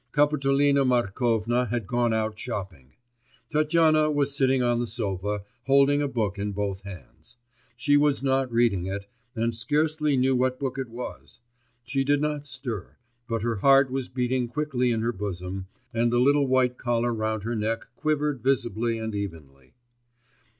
Kapitolina Markovna had gone out shopping. Tatyana was sitting on the sofa, holding a book in both hands. She was not reading it, and scarcely knew what book it was. She did not stir, but her heart was beating quickly in her bosom, and the little white collar round her neck quivered visibly and evenly.